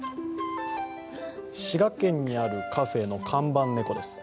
滋賀県にあるカフェの看板猫です。